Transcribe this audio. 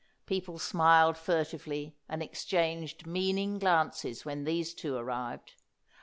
People smiled furtively, and exchanged meaning glances when these two arrived.